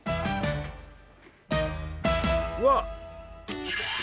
うわっ！